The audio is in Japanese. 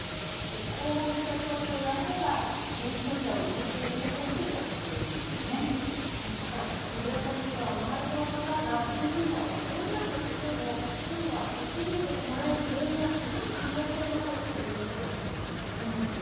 こういった症状があれば、救急車を要請してほしいとしているんでただ、自分もしくは周りの方が、救急車を呼んだとしても、今は受け入れてもらえる病院がない可能性もあるということなんでそうですね。